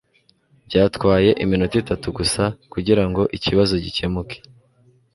Byatwaye iminota itatu gusa kugirango ikibazo gikemuke.